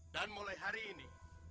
dan mulai hari ini